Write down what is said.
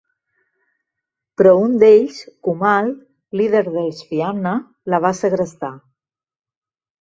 Però un d'ells, Cumhal, líder dels fianna, la va segrestar.